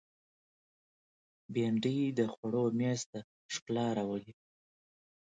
بېنډۍ د خوړو مېز ته ښکلا راولي